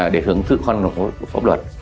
để hướng thức hoàn hảo pháp luật